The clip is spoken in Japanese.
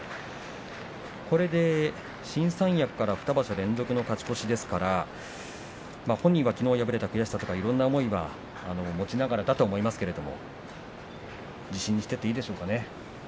これで新三役から２場所連続の勝ち越しですから本人はきのう敗れた悔しさとかいろいろな思いを持ちながらだと思いますが自信にしていっていいんでしょうかね。